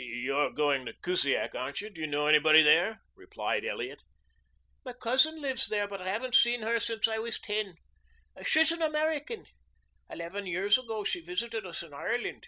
"You're going to Kusiak, aren't you? Do you know anybody there?" replied Elliot. "My cousin lives there, but I haven't seen her since I was ten. She's an American. Eleven years ago she visited us in Ireland."